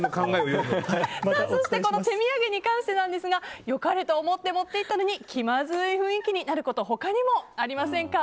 そして、手土産に関してですが良かれと思って持っていったのに気まずい雰囲気になること他にもありませんか？